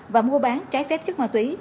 và mua bán trái phép chất ma túy